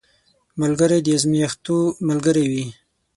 ملګری د ازمېښتو ملګری وي